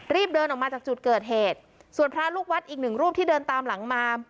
เดินออกมาจากจุดเกิดเหตุส่วนพระลูกวัดอีกหนึ่งรูปที่เดินตามหลังมา